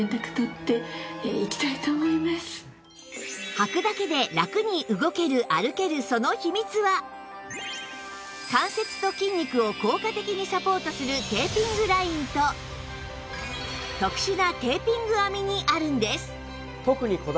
はくだけでラクに動ける歩けるその秘密は関節と筋肉を効果的にサポートするテーピングラインと特殊なテーピング編みにあるんです